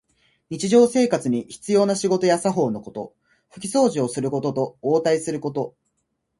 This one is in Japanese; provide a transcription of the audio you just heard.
日常生活に必要な仕事や作法のこと。ふきそうじをすることと、応対すること。